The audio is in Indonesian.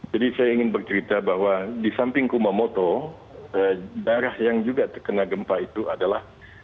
jadi saya ingin bercerita bahwa di samping kumamoto daerah yang juga terkena gempa itu adalah